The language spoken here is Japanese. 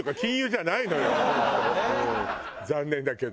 残念だけど。